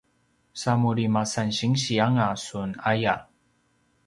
sa muri masan sinsi anga sun aya